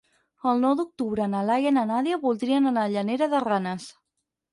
El nou d'octubre na Laia i na Nàdia voldrien anar a Llanera de Ranes.